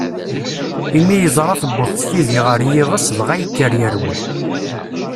Imi yeẓra tewweḍ tfidi ɣer yiɣes, dɣa yekker yerwel.